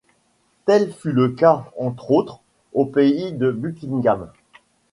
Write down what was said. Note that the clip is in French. Tel fut le cas, entre autres, au palais de Buckingham.